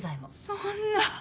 そんな。